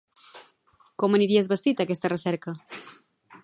Com aniries vestit a aquesta recerca?